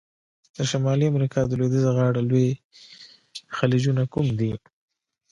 د شمالي امریکا د لویدیځه غاړي لوی خلیجونه کوم دي؟